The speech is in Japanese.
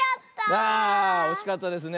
あおしかったですね。